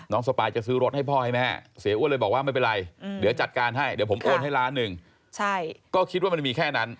สปายจะซื้อรถให้พ่อให้แม่เสียอ้วนเลยบอกว่าไม่เป็นไรเดี๋ยวจัดการให้เดี๋ยวผมโอนให้ล้านหนึ่งก็คิดว่ามันมีแค่นั้น